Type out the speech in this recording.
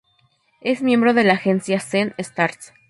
Es miembro de la agencia "Zen Stars".